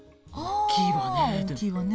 大きいわね。